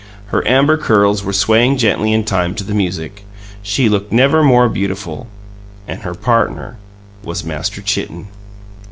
Her amber curls were swaying gently in time to the music; she looked never more beautiful, and her partner was Master Chitten!